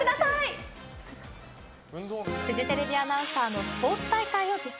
フジテレビアナウンサーのスポーツ大会を実施。